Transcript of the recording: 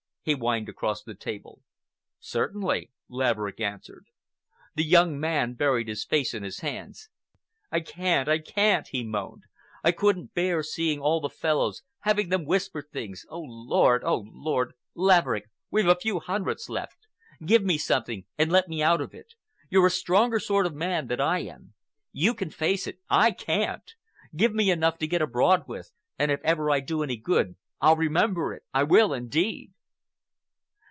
he whined across the table. "Certainly," Laverick answered. The young man buried his face in his hands. "I can't! I can't!" he moaned. "I couldn't bear seeing all the fellows, hearing them whisper things—oh, Lord! Oh, Lord!... Laverick, we've a few hundreds left. Give me something and let me out of it. You're a stronger sort of man than I am. You can face it,—I can't! Give me enough to get abroad with, and if ever I do any good I'll remember it, I will indeed."